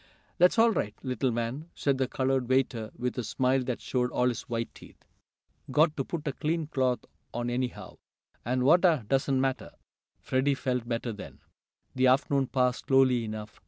"Dat's all right, little man," said the colored waiter with a smile that showed all his white teeth. "Got t' put a clean cloth on anyhow, an' watah doesn't matter." Freddie felt better then. The afternoon passed slowly enough.